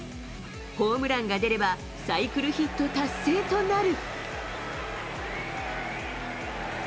ホームランが出れば、サイクルヒット達成となる。